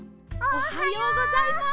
おはようございます。